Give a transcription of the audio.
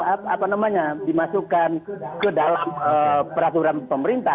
ke dalam peraturan pemerintah